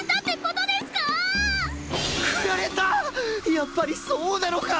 やっぱりそうなのか！？